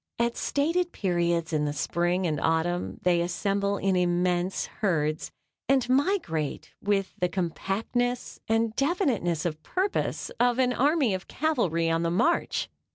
At stated periods in the spring and autumn they assemble in immense herds and migrate with the compactness and definiteness of purpose of an army of cavalry on the march.